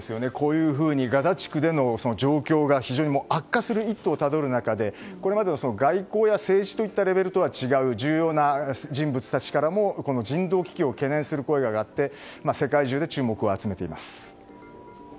ガザ地区での状況が非常に悪化する一途をたどる中これまでの外交や政治といったレベルとは違う重要な人物たちからもこの人道危機を懸念する声が上がって世界中で注目を集めています。